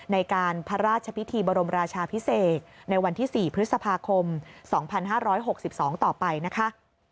ในการพระราชพิธีบรมราชาพิเศษในวันที่๔พฤษภาคม๒๕๖๒ต่อไปนะคะ